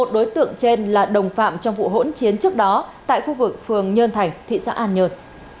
một đối tượng trên là đồng phạm trong vụ hỗn chiến trước đó tại khu vực phường nhơn thành thị xã an nhơn